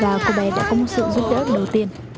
là cô bé đã có một sự giúp đỡ đầu tiên